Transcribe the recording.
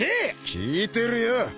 ［聞いてるよ］